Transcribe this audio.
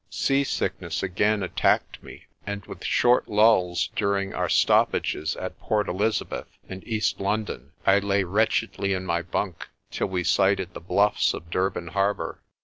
Sea sickness again attacked me, and with short lulls during our stoppages at Port Elizabeth and East Lon don, I lay wretchedly in my bunk till we sighted the bluffs of Durban harbour.